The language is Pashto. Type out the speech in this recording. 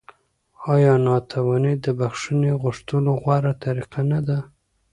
آیا نانواتې د بخښنې غوښتلو غوره طریقه نه ده؟